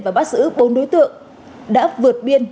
và bắt giữ bốn đối tượng đã vượt biên